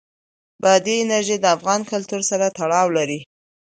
بادي انرژي د افغان کلتور سره تړاو لري.